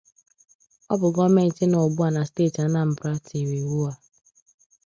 Ọ bụ gọọmenti nọ ugbua na steeti Anambra tiri iwu a